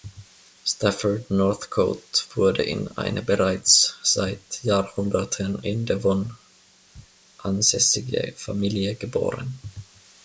Stafford Northcote wurde in eine bereits seit Jahrhunderten in Devon ansässige Familie geboren.